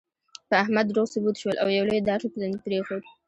په احمد دروغ ثبوت شول، او یو لوی داغ یې په تندي پرېښود.